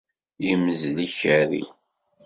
Imzel Ikerri.